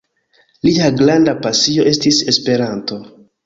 Lia granda pasio estis Esperanto.